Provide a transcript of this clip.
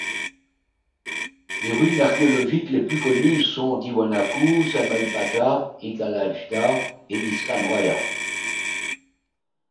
Les ruines archéologiques les plus connues sont Tiwanaku, Samaipata, Incallajta, et Iskanwaya.